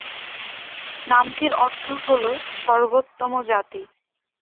নামটির অর্থ হলো "সর্বোত্তম জাতি"।